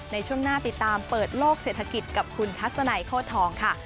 ในช่วงหน้าติดตามเปิดโลกเศรษฐกิจกับคุณทัศนัยโคตรทองค่ะ